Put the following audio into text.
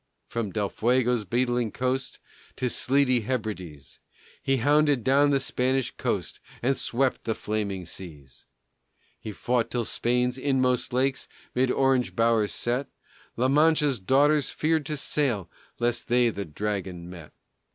From Del Fuego's beetling coast To sleety Hebrides, He hounded down the Spanish host, And swept the flaming seas. He fought till on Spain's inmost lakes 'Mid orange bowers set, La Mancha's daughters feared to sail Lest they the Dragon met.